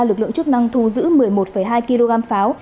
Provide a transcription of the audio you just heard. lực lượng chức năng thu giữ một mươi một hai kg pháo